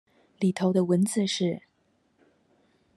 裡頭的文字是